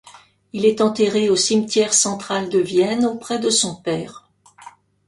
Il est enterré au cimetière central de Vienne auprès de son père.